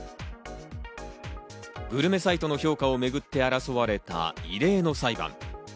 グルメサイトの評価をめぐって争われた異例の裁判。